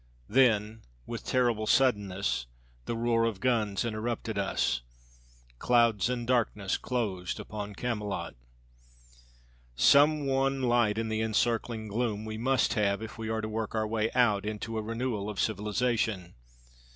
Then, with terrible suddenness, the roar of guns interrupted us. Clouds and darkness Closed upon Camelot. Some one light in the encircling gloom we must have, if we are to work our way out into a renewal of civilization.